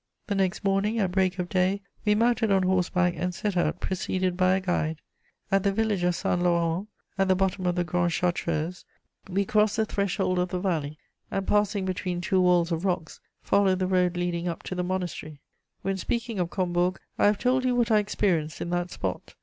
The next morning, at break of day, we mounted on horseback and set out preceded by a guide. At the village of Saint Laurent, at the bottom of the Grande Chartreuse, we crossed the threshold of the valley, and passing between two walls of rocks, followed the road leading up to the monastery. When speaking of Combourg, I have told you what I experienced in that spot.